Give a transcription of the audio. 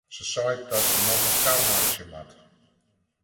Se seit dat se noch in kar meitsje moat.